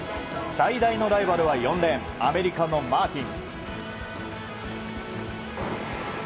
最大のライバルは４レーンアメリカのマーティン。